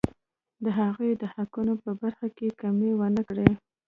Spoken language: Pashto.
د هغوی د حقونو په برخه کې کمی ونه کړي.